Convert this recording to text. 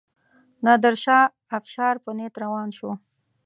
نادرشاه افشار په نیت روان شو.